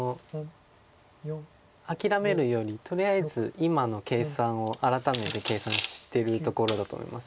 諦めるよりとりあえず今の計算を改めて計算してるところだと思います